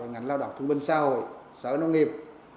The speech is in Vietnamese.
ngành lao động thương minh xã hội sở nông nghiệp